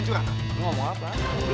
tidak ada apa apa